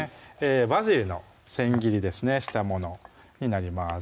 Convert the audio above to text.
バジルの千切りですねしたものになります